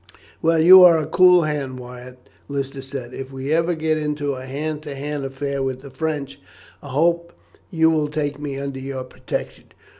"Well, you are a cool hand, Wyatt," Lister said. "If we ever get into a hand to hand affair with the French, I hope you will take me under your protection."